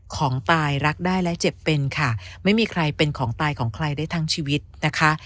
ของตายรักได้และเจ็บเป็นค่ะไม่มีใครเป็นของตายของใครได้ทั้งชีวิตนะคะ